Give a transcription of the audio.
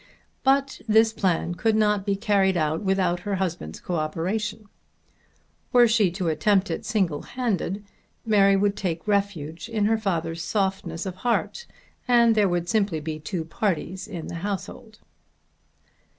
But this plan could not be carried out without her husband's co operation. Were she to attempt it single handed, Mary would take refuge in her father's softness of heart and there would simply be two parties in the household.